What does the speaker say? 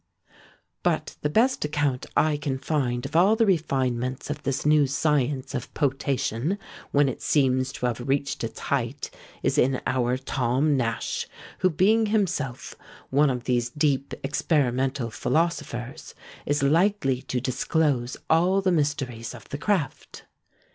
But the best account I can find of all the refinements of this new science of potation, when it seems to have reached its height, is in our Tom Nash, who being himself one of these deep experimental philosophers, is likely to disclose all the mysteries of the craft.